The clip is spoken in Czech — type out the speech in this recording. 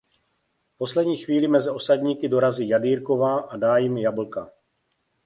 V poslední chvíli mezi osadníky dorazí Jadýrková a dá jim jablka.